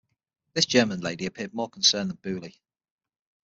This German lady appeared more concerned than Bewley.